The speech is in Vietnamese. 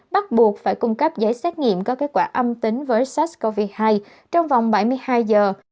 bắt buộc phải cung cấp giấy xét nghiệm có kết quả âm tính với sars cov hai trong vòng bảy mươi hai giờ